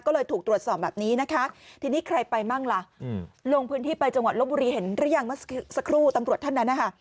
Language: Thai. ก็เลยถูกตรวจสอบแบบนี้นะคะทีนี้ใครไปบ้างล่ะลงพื้นที่ไปจังหวัดลบบุรีเห็นหรือยังเมื่อสักครู่ตำรวจท่านนั้นนะคะ